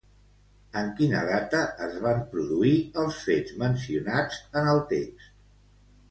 En quina data es van produir els fets mencionats en el text?